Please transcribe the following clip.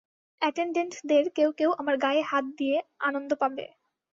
অ্যাটেনডেন্টদের কেউ কেউ আমার গায়ে হাত দিয়ে আনন্দ পাবে।